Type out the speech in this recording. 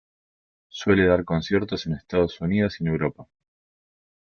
Suele dar conciertos en Estados Unidos y en Europa.